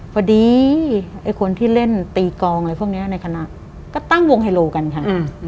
พอดีไอ้คนที่เล่นตีกองอะไรพวกนี้ในคณะก็ตั้งวงไฮโลกันค่ะ